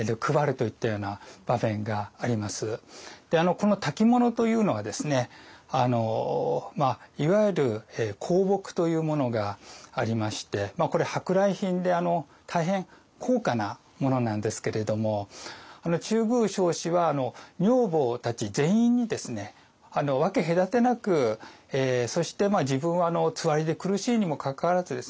この薫物というのがですねいわゆる香木というものがありましてこれ舶来品で大変高価なものなんですけれども中宮彰子は女房たち全員に分け隔てなくそして自分はつわりで苦しいにもかかわらずですね